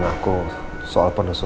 aku mau bicara sama elsa